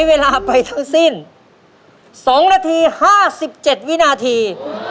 เวลาไปทั้งสิ้น๒นาที๕๗วินาที